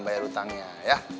bayar utangnya ya